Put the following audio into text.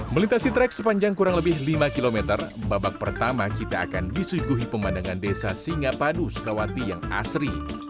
melintasi trek sepanjang kurang lebih lima km babak pertama kita akan disuguhi pemandangan desa singapadu sukawati yang asri